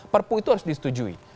perpu itu harus disetujui